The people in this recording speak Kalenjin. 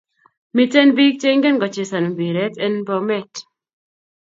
Miten pik che ingen kochesan mpiret en Bomet